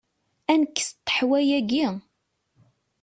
Ad nekkes ṭeḥwa-agi?